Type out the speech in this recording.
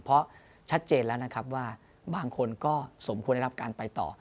เพราะชัดเจนแล้วนะครับว่าบางคนก็สมควรได้รับการไปต่อ